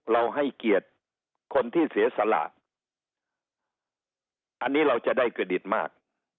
ให้เกียรติคนที่เสียสละอันนี้เราจะได้กระดิตมาก